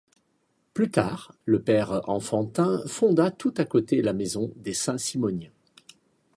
Plus tard, le père Enfantin fonda tout à côté la maison des Saint-Simoniens.